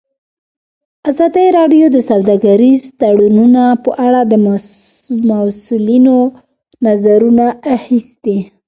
ازادي راډیو د سوداګریز تړونونه په اړه د مسؤلینو نظرونه اخیستي.